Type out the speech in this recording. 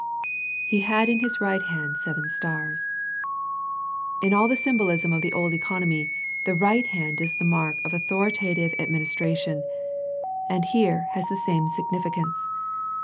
"He had in His right hand seven stars/' In all the symbolism of the old economy, the right hand is the mark of authoritative admin istration, and here has the same significance.